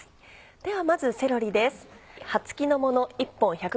ではまずセロリです。